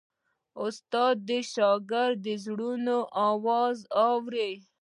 استاد د شاګرد د زړونو آواز اوري.